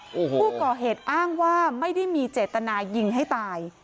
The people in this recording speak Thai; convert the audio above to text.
โอ้โหผู้ก่อเหตุอ้างว่าไม่ได้มีเจตนายิงให้ตาย